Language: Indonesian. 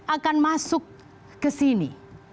akan masuk ke sini